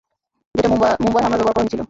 যেটা মুম্বই হামলায় ব্যবহার করা হয়েছিল।